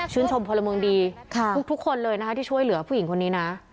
ชมพลเมืองดีทุกคนเลยนะคะที่ช่วยเหลือผู้หญิงคนนี้นะ